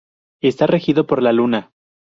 Está regido por la Luna.